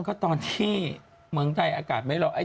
ก็ตอนที่เมืองไทยอากาศไม่ร้อน